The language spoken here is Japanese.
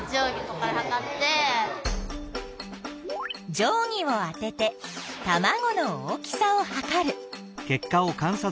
定規をあててたまごの大きさをはかる。